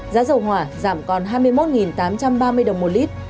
giá dầu hỏa giảm còn hai mươi một tám trăm ba mươi đồng một lít